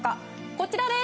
こちらです。